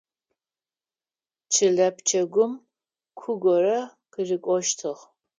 Чылэ пчэгум ку горэ къырыкӏощтыгъ.